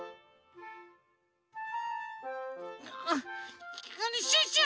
あシュッシュ